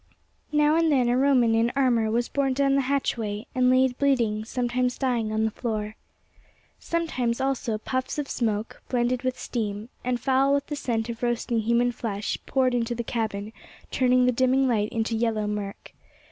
Now and then a Roman in armor was borne down the hatchway, and laid bleeding, sometimes dying, on the floor. Sometimes, also, puffs of smoke, blended with steam, and foul with the scent of roasting human flesh, poured into the cabin, turning the dimming light into yellow murk.